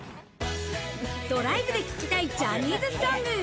ドライブで聴きたいジャニーズソング。